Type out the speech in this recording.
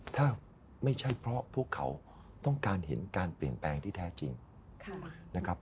ถ้าไม่ใช่เพราะพวกเขาต้องการเห็นการเปลี่ยนแปลงที่แท้จริงนะครับ